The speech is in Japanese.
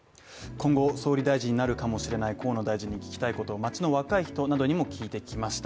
今後、総理大臣になるかもしれない河野大臣に聞きたいこと街の若い人などにも聞いてきました。